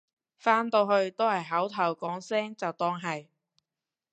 返到去都係口頭講聲就當係